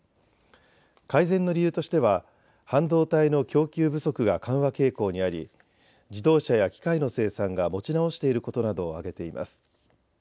改善の理由としては半導体の供給不足が緩和傾向にあり自動車や機械の生産が持ち直していることなどを挙げています。